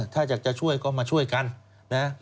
ถ้าอยากจะช่วยก็มาช่วยกันนะ